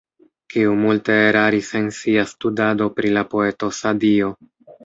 Kiu multe eraris en sia studado pri la poeto Sadio.